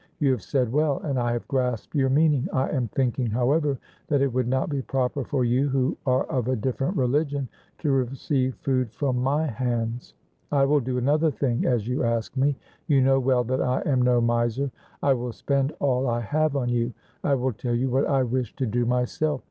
You have said well, and I have grasped your meaning. I am thinking, however, that it would not be proper for you who are of a different religion to receive food from my hands. I will do another thing as you ask me. You know well that I am no miser. I will spend all I have on you. I will tell you what I wish to do myself.